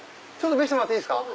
見せてもらっていいですか？